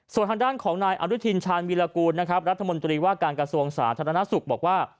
ส่วนทางด้านของนายอนุทินชาญวิรากูลนะครับรัฐมนตรีว่าการกระทรวงสาธารณสุขบอกว่า